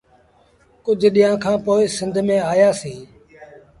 ڪجھ ڏيٚݩهآݩ کآݩ پو سنڌ ميݩآيآ سيٚݩ ۔